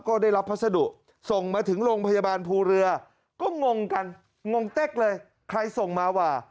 ก็ได้รับพัสดุส่งมาถึงโรงพยาบาลภูเรือก็งงกันงงเต๊กเลยใครส่งมาว่า